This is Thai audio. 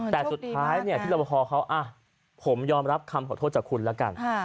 แต่สุดท้ายที่รับประพอเขาผมยอมรับคำขอโทษจากคุณแล้วกัน